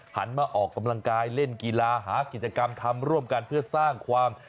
หันมาออกกำลังกายเล่นกีฬาหากิจกรรมทำร่วมกันเพื่อสร้างความ